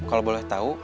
kalau boleh tau